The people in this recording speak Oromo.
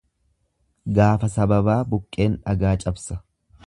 Gaafa sababaa buqqeen dhagaa cabsa.